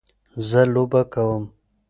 زه لوبه کوم.